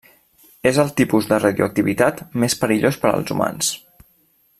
És el tipus de radioactivitat més perillós per als humans.